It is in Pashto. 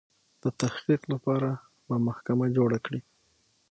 د تحقیق لپاره به محکمه جوړه کړي.